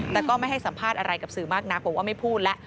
แต่ก็ไม่ให้สัมภาษณ์อะไรกับสื่อมากนักบอกว่าไม่พูดแล้ว